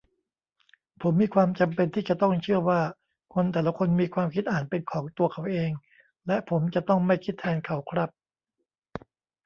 ผมมีความจำเป็นที่จะต้องเชื่อว่า คนแต่ละคนมีความคิดอ่านเป็นของตัวเขาเอง และผมจะต้องไม่คิดแทนเขาครับ